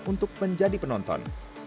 untuk menjadi penonton